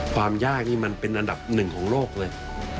ความยากนี่มันเป็นอันดับหนึ่งของโลกเลย